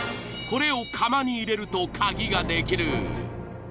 これを釜に入れると鍵ができる。